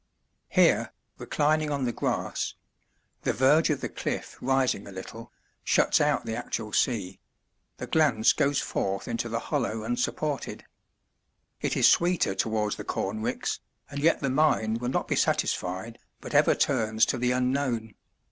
Here, reclining on the grass the verge of the cliff rising a little, shuts out the actual sea the glance goes forth into the hollow unsupported. It is sweeter towards the corn ricks, and yet the mind will not be satisfied, but ever turns to the unknown.